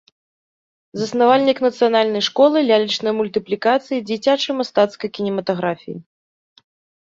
Заснавальнік нацыянальнай школы лялечнай мультыплікацыі, дзіцячай мастацкай кінематаграфіі.